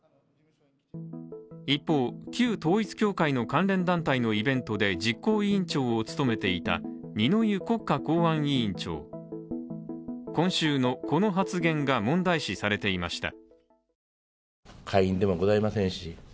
一方、旧統一教会の関連団体のイベントで実行委員長を務めていた二之湯国家公安委員長今週の、この発言が問題視されていました。